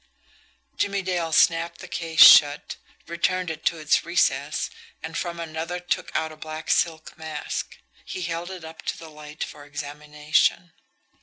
Jimmie Dale snapped the case shut, returned it to its recess, and from another took out a black silk mask. He held it up to the light for examination.